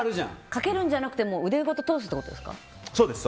かけるんじゃなくて腕ごと通すってことですか。